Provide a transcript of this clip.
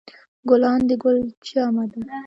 ګلان د ګل جمع ده